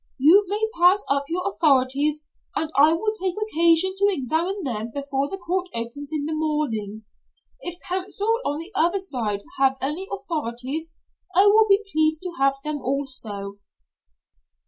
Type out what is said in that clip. You may pass up your authorities, and I will take occasion to examine them before the court opens in the morning. If counsel on the other side have any authorities, I will be pleased to have them also."